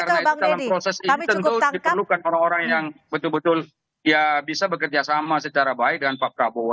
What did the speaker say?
karena itu dalam proses ini tentu diperlukan orang orang yang betul betul ya bisa bekerja sama secara baik dengan pak prabowo